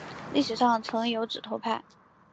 历史上曾有指头派。